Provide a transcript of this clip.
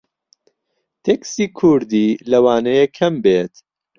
تێکستی کووردی لەوانەیە کەم بێت